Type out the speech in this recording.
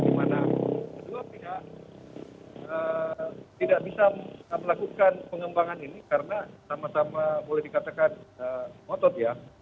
di mana kedua pihak tidak bisa melakukan pengembangan ini karena sama sama boleh dikatakan ngotot ya